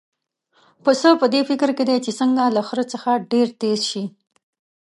پسه په دې فکر کې دی چې څنګه له خره څخه ډېر تېز شي.